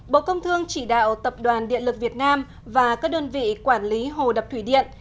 bộ công thương chỉ đạo tập đoàn điện lực việt nam và các đơn vị quản lý hồ đập thủy điện